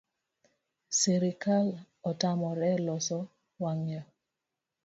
Sirikal otamore loso wang’ayo